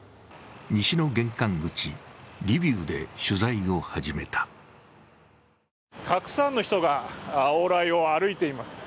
西の玄関口・リビウで取材を始めたたくさんの人が往来を歩いています。